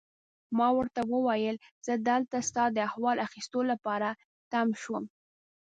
ما ورته وویل: زه دلته ستا د احوال اخیستو لپاره تم شوم.